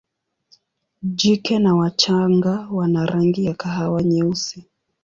Jike na wachanga wana rangi ya kahawa nyeusi.